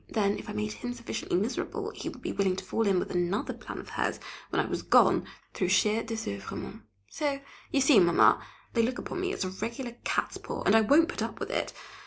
Then if I made him sufficiently miserable, he would be willing to fall in with another plan of hers, when I was gone, through sheer désoeuvrement. So you see, Mamma, they look upon me as a regular catspaw, and I won't put up with it.